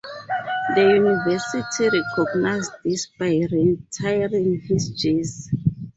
The university recognized this by retiring his jersey.